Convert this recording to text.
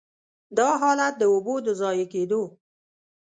دا حالت د اوبو د ضایع کېدو.